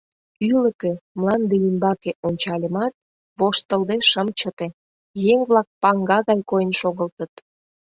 Ӱлыкӧ, мланде ӱмбаке, ончальымат, воштылде шым чыте: еҥ-влак паҥга гай койын шогылтыт.